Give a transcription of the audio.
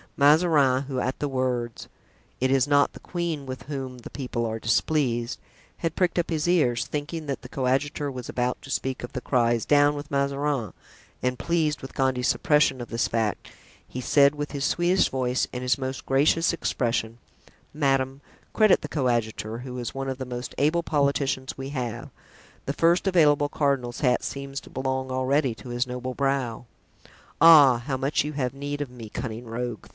Mazarin, who at the words, "It is not the queen with whom the people are displeased," had pricked up his ears, thinking that the coadjutor was about to speak of the cries, "Down with Mazarin," and pleased with Gondy's suppression of this fact, he said with his sweetest voice and his most gracious expression: "Madame, credit the coadjutor, who is one of the most able politicians we have; the first available cardinal's hat seems to belong already to his noble brow." "Ah! how much you have need of me, cunning rogue!"